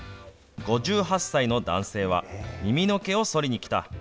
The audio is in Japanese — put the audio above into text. ５８歳の男性は、耳の毛をそりに来た。